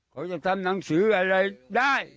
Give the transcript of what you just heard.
เขาจะทำหนังสืออะไรได้